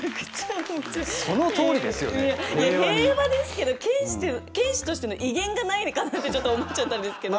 平和ですけど剣士としての威厳がないかなってちょっと思っちゃったんですけど。